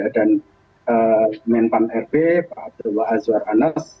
dan kemenpan irb pak abdullah azwar anas